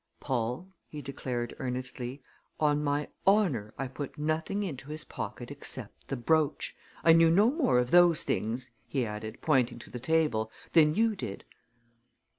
"Paul," he declared earnestly, "on my honor I put nothing into his pocket except the brooch. I knew no more of those things," he added, pointing to the table, "than you did!"